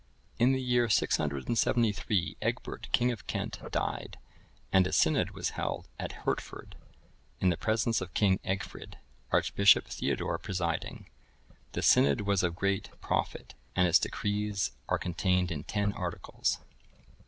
[IV, 5.] In the year 673, Egbert, king of Kent, died; and a synod was held at Hertford, in the presence of King Egfrid, Archbishop Theodore presiding: the synod was of great profit, and its decrees are contained in ten articles.